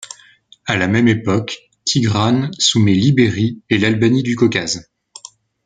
À la même époque, Tigrane soumet l'Ibérie et l'Albanie du Caucase.